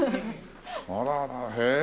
あららへえ